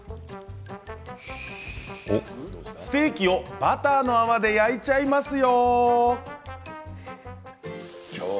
ステーキをバターの泡で焼いちゃいますよ。